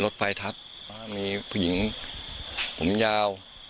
ฐานพระพุทธรูปทองคำ